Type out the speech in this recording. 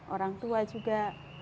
orang tua juga